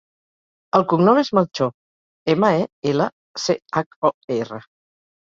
El cognom és Melchor: ema, e, ela, ce, hac, o, erra.